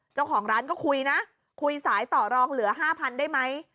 เจ้าของร้านก็คุยนะคุยสายต่อรองเหลือ๕๐๐๐ได้ไหม